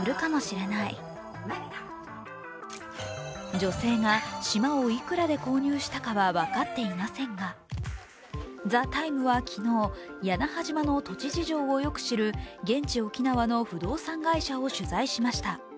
女性が島をいくらで購入したかは分かっていませんが、「ＴＨＥＴＩＭＥ，」は昨日、屋那覇島の土地事情をよく知る現地・沖縄の不動産会社を取材しました。